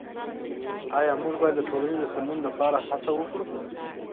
آيا موږ بايد د ټولني د سمون لپاره هڅه وکړو؟